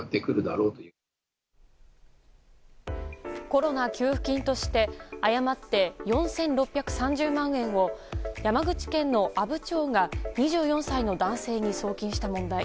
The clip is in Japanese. コロナ給付金として誤って４６３０万円を山口県の阿武町が２４歳の男性に送金した問題。